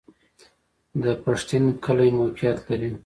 د پښتین کلی موقعیت